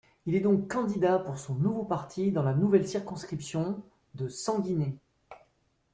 Il est donc candidat pour son nouveau parti dans la nouvelle circonscription de Sanguinet.